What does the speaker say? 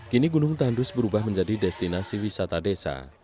kini gunung tandus berubah menjadi destinasi wisata desa